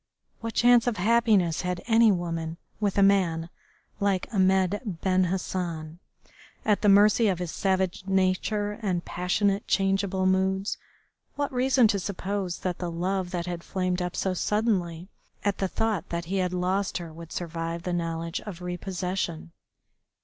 What chance of happiness had any woman with a man like Ahmed Ben Hassan, at the mercy of his savage nature and passionate changeable moods? What reason to suppose that the love that had flamed up so suddenly at the thought that he had lost her would survive the knowledge of repossession?